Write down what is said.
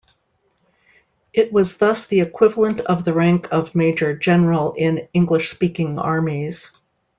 It was thus the equivalent of the rank of major general in English-speaking armies.